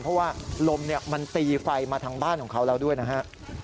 เพราะว่าลมมันตีไฟมาทางบ้านของเขาแล้วด้วยนะฮะ